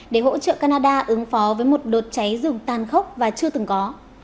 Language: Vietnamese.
để hỗ trợ canada ứng phó với một đợt cháy rừng tàn khốc và chưa từng có